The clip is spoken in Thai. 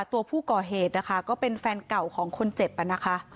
ตัวผู้ก่อเหตุนะคะก็เป็นแฟนเก่าของคนเจ็บนะคะ